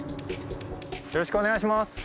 よろしくお願いします。